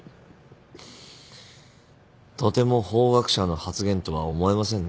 とても法学者の発言とは思えませんね。